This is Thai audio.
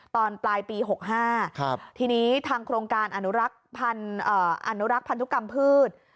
ตอนปลายปี๖๕ทีนี้ทางโครงการอนุรักษ์พันธุกรรมพืช